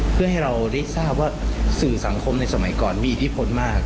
เพื่อให้เราได้ทราบว่าสื่อสังคมในสมัยก่อนมีอิทธิพลมาก